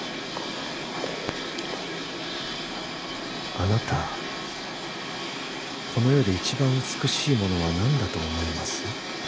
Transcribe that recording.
あなたこの世で一番美しいものは何だと思います？